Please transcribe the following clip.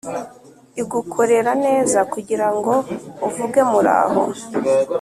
igukorera neza kugirango uvuge 'muraho.